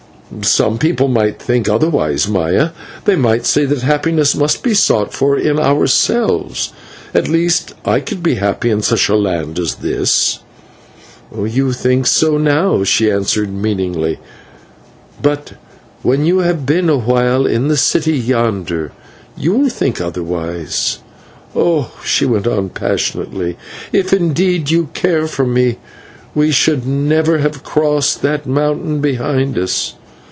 "Some people might think otherwise, Maya. They might say that happiness must be sought for in ourselves. At least I could be happy in such a land as this." "You think so now," she answered, meaningly, "but when you have been awhile in the city yonder, you will think otherwise. Oh!" she went on, passionately, "if, indeed, you care for me, we should never have crossed that mountain behind us.